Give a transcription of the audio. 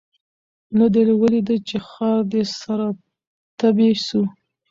نه دي ولیده چي ښار دي سره تبۍ سو